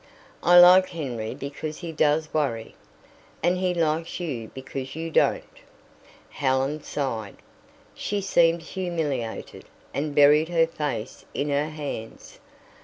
"I like Henry because he does worry." "And he likes you because you don't." Helen sighed. She seemed humiliated, and buried her face in her hands.